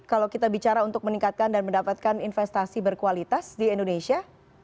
kalau kita bicara untuk meningkatkan dan mendapatkan investasi berkualitas di indonesia